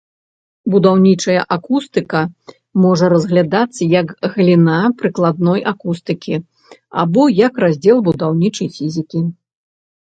Будаўнічая акустыка можа разглядацца як галіна прыкладной акустыкі, або як раздзел будаўнічай фізікі.